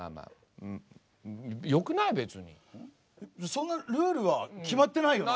そんなルールは決まってないよな。